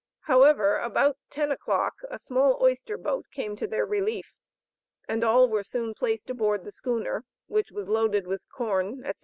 However, about ten o'clock a small oyster boat came to their relief, and all were soon placed aboard the schooner, which was loaded with corn, etc.